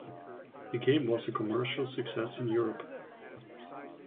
The game was a commercial success in Europe.